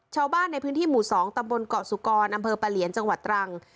ชาวบ้านในพื้นที่หมู่๒ตำบลเกาะสุกรอำเภอปะเหลียนจังหวัดตรัง